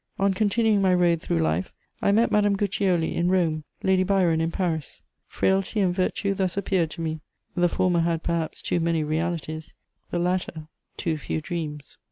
On continuing my road through life, I met Madame Guiccioli in Rome, Lady Byron in Paris. Frailty and virtue thus appeared to me: the former had perhaps too many realities, the latter too few dreams.